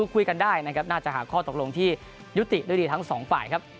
คุยกันได้นะครับน่าจะหาข้อตกลงที่ยุติด้วยดีทั้งสองฝ่ายครับ